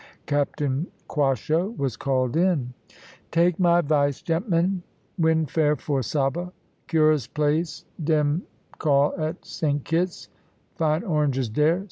Captain Quasho was called in. "Take my 'vice, gent'men; wind fair for Saba cur'us place den call at Saint Kitts fine oranges dere.